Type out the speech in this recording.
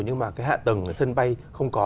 nhưng mà cái hạ tầng sân bay không có